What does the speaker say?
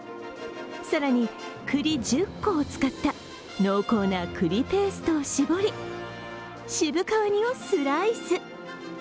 更に、栗１０個を使った濃厚な栗ペーストを絞り渋皮煮をスライス。